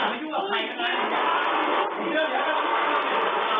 มาพี่ฟองบ้านนู้นทีว่ามองขาวเจ็บนู้นมันขึ้นมากี่ครั้ง